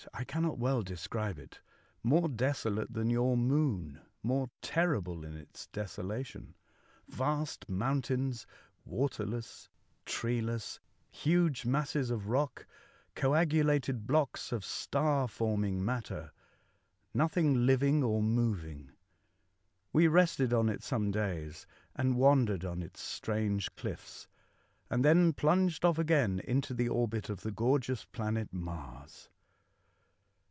I cannot well describe it. More desolate than your moon, more terri ble in its desolation. Vast mountains, water less, treeless, huge masses of rock, coagulated blocks of star forming matter — nothing living or moving. We rested on it some days and wandered on its strange cliffs, and then plunged off again into the orbit of the gorgeous planet Mars.